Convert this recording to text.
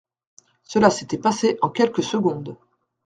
Cela s'était passé en quelques secondes.